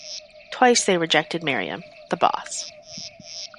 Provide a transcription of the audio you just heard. Twice they rejected Mariam — the Boss.